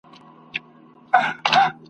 له پاپیو نه مي شرنګ د ګونګرو واخیست !.